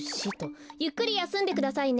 ゆっくりやすんでくださいね。